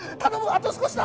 あと少しだ